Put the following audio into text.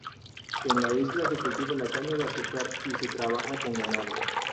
En la isla se cultiva la caña de azúcar y se trabaja con ganado.